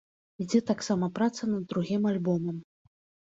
Ідзе таксама праца над другім альбомам.